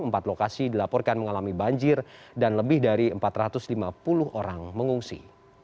empat lokasi dilaporkan mengalami banjir dan lebih dari empat ratus lima puluh orang mengungsi